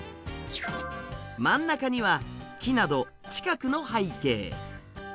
真ん中には木など近くの背景。